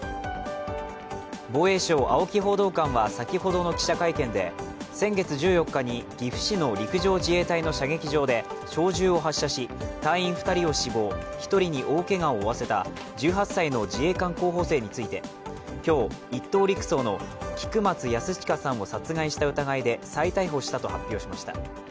防衛省・青木報道官は先ほどの記者会見で先月１４日に岐阜市の陸上自衛隊の射撃場で小銃を発射し、隊員２人を死亡１人に大けがを負わせた１８歳の自衛官候補生について今日、１等陸曹の菊松安親さんを殺害した疑いで再逮捕したと発表しました。